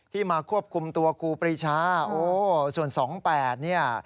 ที่มาควบคุมตัวครูปรีชาโอ้โหส่วนสองแปดเนี่ย